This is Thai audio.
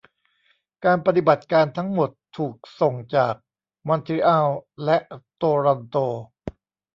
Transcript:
การปฏิบัติการทั้งหมดถูกส่งจาก มอนทรีอัล และ โตรอนโต